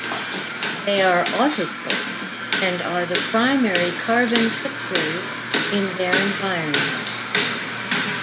They are autotrophs, and are the primary carbon fixers in their environments.